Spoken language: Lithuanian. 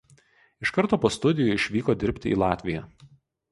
Iš karto po studijų išvyko dirbti į Latviją.